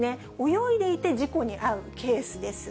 泳いでいて事故に遭うケースです。